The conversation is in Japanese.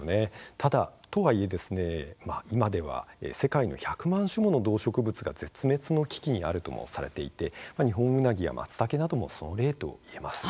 ただ今、世界で１００万種もの動植物が絶滅の危機にあると言われていてニホンウナギやまつたけもその例といえます。